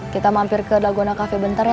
kita mampir ke dagona cafe bentar ya